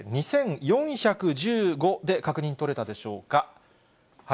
２４１５で確認取れたでしょうか。